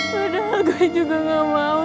padahal gue juga gak mau